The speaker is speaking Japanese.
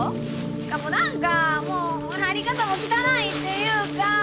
しかも何かもう貼り方も汚いっていうかぁ。